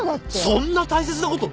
そんな大切なこと